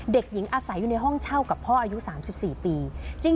เด็กหญิงอาศัยอยู่ในห้องเช่ากับพ่ออายุ๓๔ปี